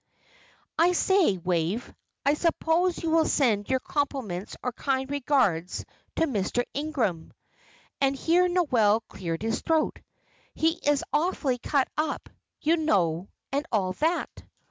"I say, Wave, I suppose you will send your compliments or kind regards to Mr. Ingram" and here Noel cleared his throat. "He is awfully cut up, you know, and all that."